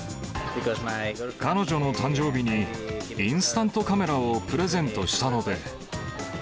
彼女の誕生日にインスタントカメラをプレゼントしたので。